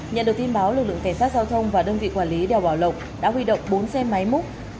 nhận được tin báo lực lượng cảnh sát giao thông và đơn vị quản lý đèo bảo lộc đã huy động bốn xe máy múc